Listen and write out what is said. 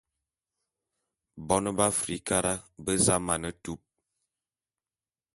Bone be Afrikara be za mane tup.